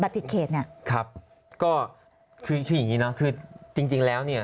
บัตรผิดเขตเนี่ยครับก็คืออย่างนี้นะคือจริงแล้วเนี่ย